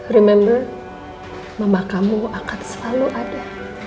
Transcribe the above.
remamber mama kamu akan selalu ada